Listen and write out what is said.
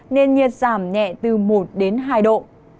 nên nhiệt giảm nhẹ từ một đến hai độ